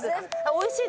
おいしい！